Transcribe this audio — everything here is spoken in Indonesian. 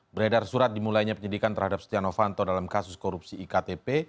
beredar surat dimulainya penyidikan terhadap setia novanto dalam kasus korupsi iktp